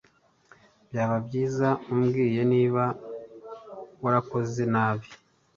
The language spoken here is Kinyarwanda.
Byaba byiza umbwiye niba warakoze nabi.